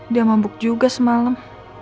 dia mabuk juga semalam